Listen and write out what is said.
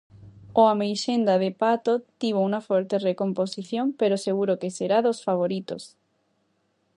O Ameixenda de Pato tivo unha forte recomposición, pero seguro que será dos favoritos.